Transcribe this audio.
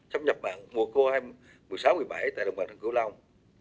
xâm nhập mạng mùa khô hai nghìn một mươi sáu hai nghìn một mươi bảy tại đồng bằng sông cửu long